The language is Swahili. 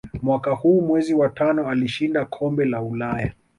Mwaka huu mwezi wa tano alishinda kombe la ulaya